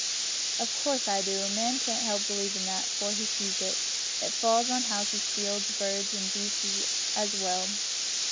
"Of course I do. A man can't help believin' that, for he sees it it falls on houses, fields, birds and beasts as well."